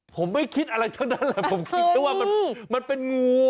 ผมไม่คิดอะไรเท่านั้นผมคิดว่ามันเป็นงูอ่ะ